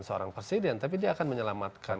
seorang presiden tapi dia akan menyelamatkan